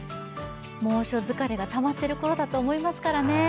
猛暑疲れがたまってるころだと思いますからね。